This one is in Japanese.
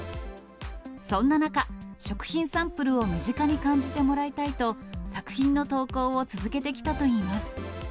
そんな中、食品サンプルを身近に感じてもらいたいと、作品の投稿を続けてきたといいます。